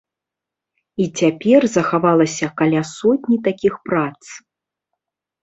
І цяпер захавалася каля сотні такіх прац.